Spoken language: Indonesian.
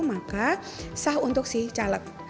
maka sah untuk si caleg